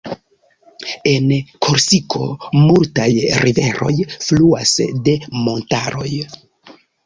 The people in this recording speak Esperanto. En Korsiko multaj riveroj fluas de montaroj.